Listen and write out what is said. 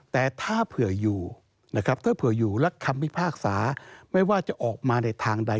แต่ถ้าเผื่ออยู่นะครับถ้าเผื่ออยู่และคำพิพากษาไม่ว่าจะออกมาในทางใด